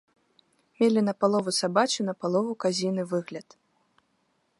Мелі напалову сабачы, напалову казіны выгляд.